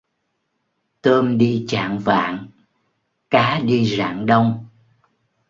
Tôm đi chạng vạng, cá đi rạng đông.